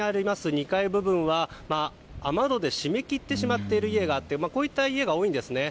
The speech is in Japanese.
２階部分は雨戸で締め切ってしまっている家があってこういった家が多いんですね。